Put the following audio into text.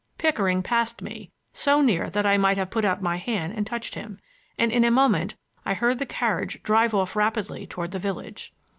Pickering passed me, so near that I might have put out my hand and touched him, and in a moment I heard the carriage drive off rapidly toward the village.